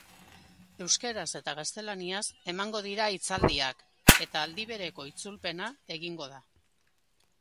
Euskaraz eta gaztelaniaz emango dira hitzaldiak, eta aldibereko itzulpena egongo da.